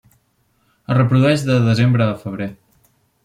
Es reprodueix de desembre a febrer.